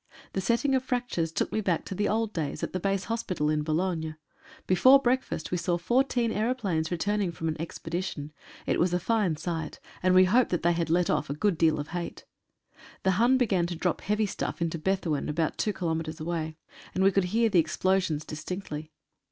The setting of fractures took me back to the old days at the base hospital in Boulogne. Before breakfast we saw fourteen aeroplanes returning from an expedition. It was a fine sight, and we hoped that they had let off a good deal of hate. 'The Hun began to drop heavy stuff into Bethuen, about two kilometres away, and we could hear the explosions distinctly.